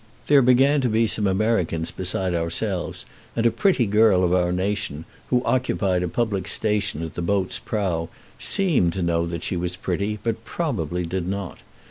There began to be some Americans besides ourselves, and a pretty girl of our nation, who occupied a public station at the boat's prow, seemed to know that she was pretty, but probably did not.